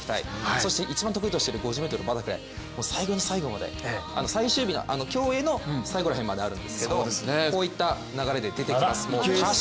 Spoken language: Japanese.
そして一番得意としている５０ｍバタフライ最後の最後まで、最終日の競泳の最後の日まであるんですがこういった流れで出てきています。